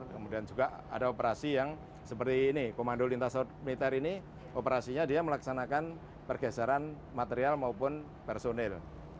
kemudian juga ada operasi yang seperti ini komando lintasan militer ini operasinya dia melaksanakan pergeseran material maupun personil